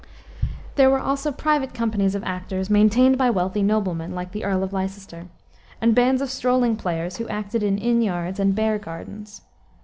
There were also private companies of actors maintained by wealthy noblemen, like the Earl of Leicester, and bands of strolling players, who acted in inn yards and bear gardens.